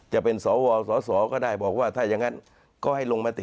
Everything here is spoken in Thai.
จะเป็นสวสสก็ได้บอกว่าถ้าอย่างนั้นก็ให้ลงมติ